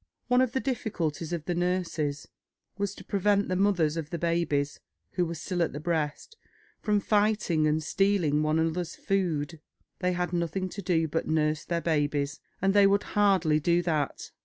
One of the difficulties of the nurses was to prevent the mothers of the babies, who were still at the breast, from fighting and stealing one another's food. They had nothing to do but nurse their babies, and they would hardly do that.